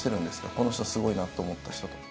この人すごいなって思った人とか。